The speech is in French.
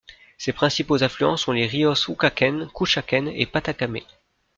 Ses principaux affluents sont les ríos Ucakén, Kuchakén et Patacame.